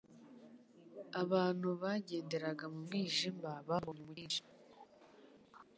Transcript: «Abantu bagenderaga mu mwijima babonye umucyo mwinshi,